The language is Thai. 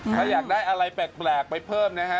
ถ้าอยากได้อะไรแปลกไปเพิ่มนะฮะ